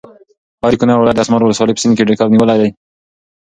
ایا د کونړ ولایت د اسمار ولسوالۍ په سیند کې کب نیولی؟